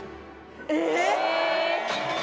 えっ？